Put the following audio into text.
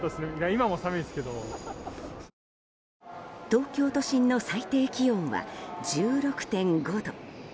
東京都心の最低気温は１６．５度。